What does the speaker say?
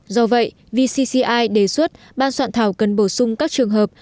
do vậy vcci đề xuất ban soạn thảo cần bổ sung các trường hợp